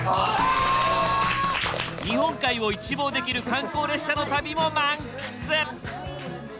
日本海を一望できる観光列車の旅も満喫！